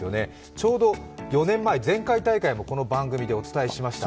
ちょうど４年前、前回大会もこの番組でお伝えしました。